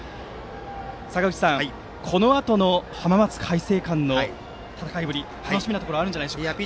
坂口さん、このあとの浜松開誠館の戦いぶり楽しみなところあるんじゃないでしょうか。